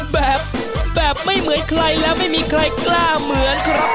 แบบแบบไม่เหมือนใครแล้วไม่มีใครกล้าเหมือนครับ